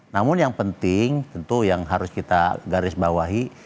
namun yang penting tentu yang harus kita garis bawahi